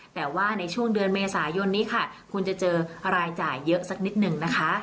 แต่ว่าในช่วงเดือนเมษายนนี้ค่ะคุณจะเจอรายจ่ายเยอะสักนิดหนึ่งนะคะ